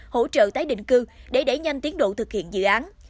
hỗ trợ tái định cư để đẩy nhanh tiến độ thực hiện dự án